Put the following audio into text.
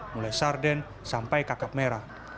mulai sarden sampai kakap merah